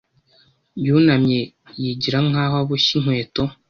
yunamye yigira nkaho aboshye inkweto.